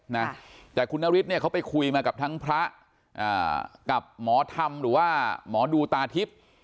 นะแต่คุณนฤทธิเนี่ยเขาไปคุยมากับทั้งพระอ่ากับหมอธรรมหรือว่าหมอดูตาทิพย์